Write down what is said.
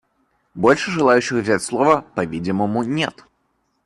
Больше желающих взять слово, по-видимому, нет.